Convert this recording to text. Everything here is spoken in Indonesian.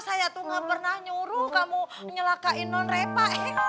saya tuh gak pernah nyuruh kamu nyelakain non repa